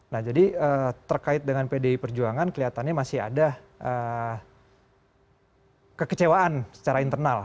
nah jadi terkait dengan pdi perjuangan kelihatannya masih ada kekecewaan secara internal